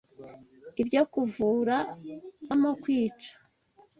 Ibyo kuvura bivamo kwica